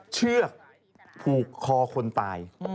เชือกผูกคอคนตาย